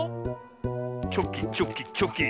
チョキチョキチョキ。